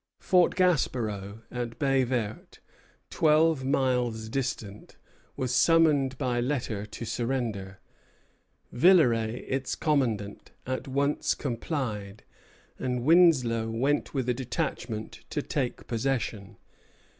Fort Gaspereau, at Baye Verte, twelve miles distant, was summoned by letter to surrender. Villeray, its commandant, at once complied; and Winslow went with a detachment to take possession.